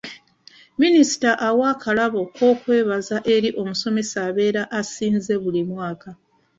Minisita awa akalabo k'okwebaza eri omusomesa abeera asinze buli mwaka.